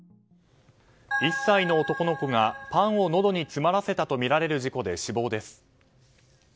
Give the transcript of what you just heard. １歳の男の子がパンをのどに詰まらせたとみられる事故で死亡です。